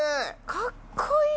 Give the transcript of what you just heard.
かっこいい！